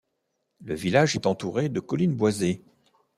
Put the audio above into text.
Le village est entouré de collines boisées.